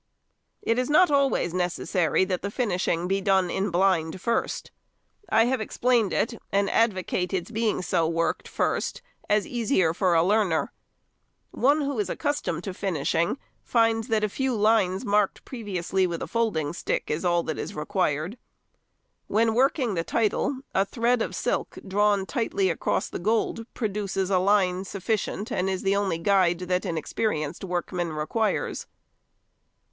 It is not always necessary that the finishing be done in blind first. I have explained it, and advocate its being so worked first as easier for a learner. One who is accustomed to finishing finds that a few lines marked previously with a folding stick is all that is required. When working the title, a thread of silk drawn tightly across the gold produces a line sufficient, and is the only guide that an experienced workman requires.